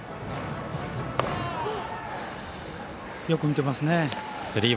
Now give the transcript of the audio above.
よく見ていますね。